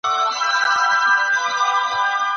که د چا کوم خواړه خوښ وي، ودي خوري